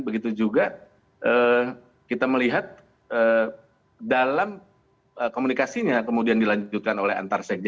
begitu juga kita melihat dalam komunikasinya kemudian dilanjutkan oleh antar sekjen